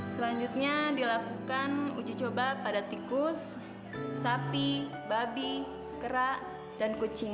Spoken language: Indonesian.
selanjutnya dilakukan uji coba pada tikus sapi babi kerak dan kucing